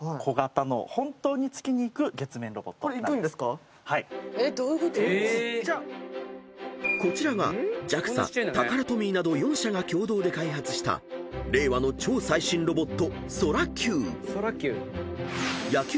これ行くんですか⁉どういうこと⁉［こちらがＪＡＸＡタカラトミーなど４社が共同で開発した令和の超最新ロボット］